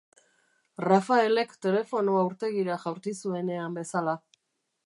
Rafaelek telefonoa urtegira jaurti zuenean bezala.